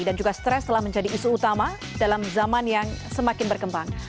dan juga stres telah menjadi isu utama dalam zaman yang semakin berkembang